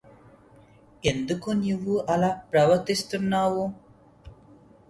ఎందుకు నువ్వు అలా ప్రవర్తిస్తున్నావు?